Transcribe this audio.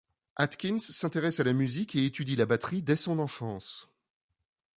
Atkins s'intéresse à la musique et étudie la batterie dès son enfance.